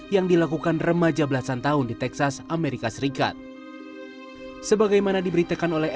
yang dilakukan remaja belasan tahun di texas amerika serikat sebagaimana diberitakan oleh